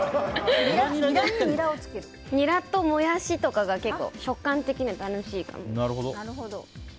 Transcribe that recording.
ニラとモヤシとかが結構食感的には楽しいかも。